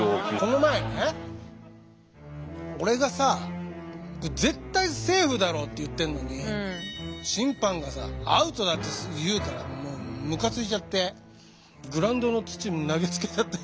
この前ね俺がさ絶対セーフだろって言ってんのに審判がさアウトだって言うからもうムカついちゃってグラウンドの土投げつけちゃった。